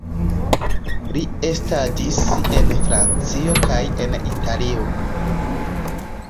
Li estadis en Francio kaj en Italio.